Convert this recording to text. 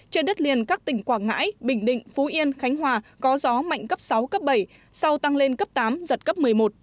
trên đất liền các tỉnh quảng ngãi bình định phú yên khánh hòa có gió mạnh cấp sáu cấp bảy sau tăng lên cấp tám giật cấp một mươi một